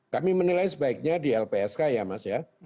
kami menilai sebaiknya di lpsk ya mas ya